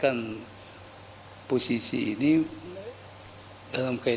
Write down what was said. bagaimana kita menempatkan posisi ini dalam kaitan dengan partai kita